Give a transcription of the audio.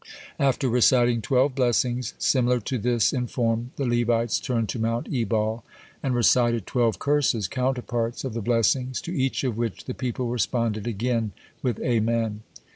After reciting twelve blessings similar to this in form, the Levites turned to Mount Ebal, and recited twelve curses, counterparts of the blessings, to each of which the people responded again with Amen.